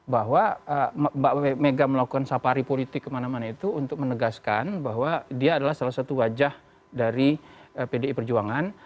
bahwa mbak mega melakukan safari politik kemana mana itu untuk menegaskan bahwa dia adalah salah satu wajah dari pdi perjuangan